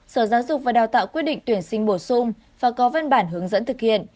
sở giáo dục và đào tạo quyết định tuyển sinh bổ sung và có văn bản hướng dẫn thực hiện